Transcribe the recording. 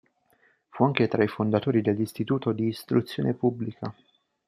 Fu anche tra i fondatori dell'Istituto di Istruzione Pubblica.